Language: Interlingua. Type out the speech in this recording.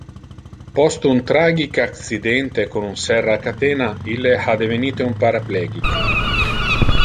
Post un tragic accidente con un serra a catena ille ha devenite un paraplegic.